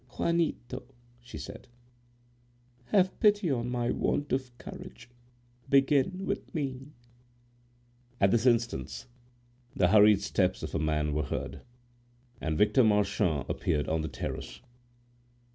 "Juanito," she said, "have pity on my want of courage; begin with me." At this instant the hurried steps of a man were heard, and Victor Marchand appeared on the terrace.